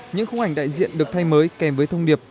những khung ảnh đại diện được thay mới kèm với thông điệp